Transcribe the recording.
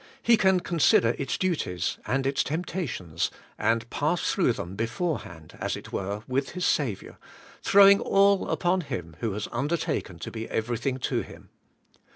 He can consider its duties and its temptations, and pass them through beforehand, as it were, with his Sav iour, throwing all upon Him who has undertaken to be everything to him.